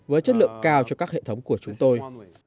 với chất lượng cao cho các hệ thống của chúng tôi